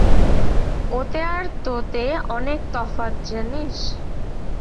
-ওতে আর তোতে অনেক তফাৎ জনিস?